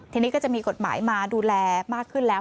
ทีนี้ก็จะมีกฎหมายมาดูแลมากขึ้นแล้ว